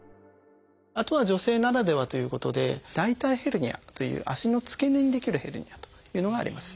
あとは女性ならではということで「大腿ヘルニア」という足の付け根に出来るヘルニアというのがあります。